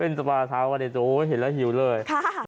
สปาเช้าวันนี้เห็นแล้วหิวเลย